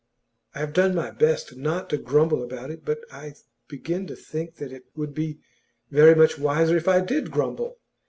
I have done my best not to grumble about it, but I begin to think that it would be very much wiser if I did grumble.